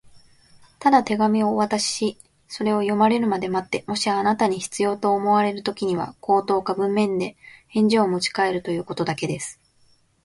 「ただ手紙をお渡しし、それを読まれるまで待って、もしあなたに必要と思われるときには、口頭か文面で返事をもちかえるということだけです」